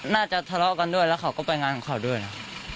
น่าจะทะเลาะกันด้วยแล้วเขาก็ไปงานของเขาด้วยนะ